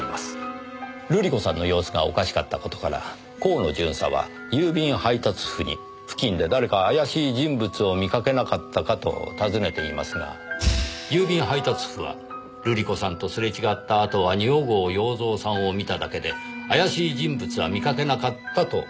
瑠璃子さんの様子がおかしかった事から河野巡査は郵便配達夫に付近で誰か怪しい人物を見かけなかったかと尋ねていますが郵便配達夫は瑠璃子さんとすれ違ったあとは二百郷洋蔵さんを見ただけで怪しい人物は見かけなかったと答えています。